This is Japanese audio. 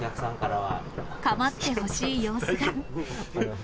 かまってほしい様子が。